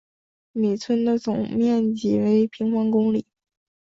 米村的总面积为平方公里。